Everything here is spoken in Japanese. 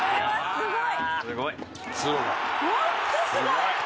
すごい。